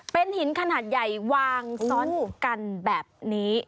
เป็นหินขนาดใหญ่วางซ้อนกันแบบนี้